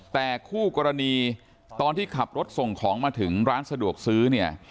แต่คู่กรณีตอนที่ขับรถส่งของมาถึงร้านสะดวกซื้อเนี่ย